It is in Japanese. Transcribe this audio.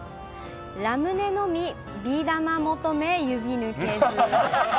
ラムネ飲みビー玉求め指抜けず。